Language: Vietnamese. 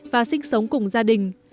và sinh sống cùng gia đình